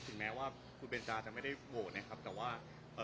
แม้ว่าคุณเบนจาจะไม่ได้โหวตนะครับแต่ว่าเอ่อ